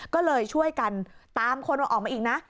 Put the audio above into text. ก็เลยช่วยกันตามคนออกมาอีกนะ